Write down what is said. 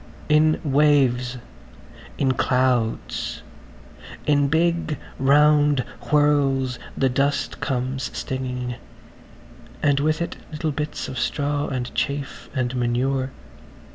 In waves, in clouds, in big round whirls the dust comes stinging, and with it little bits of straw and chaff and manure.